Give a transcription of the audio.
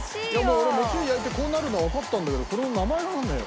「もう俺餅を焼いてこうなるのはわかったんだけどこれの名前が」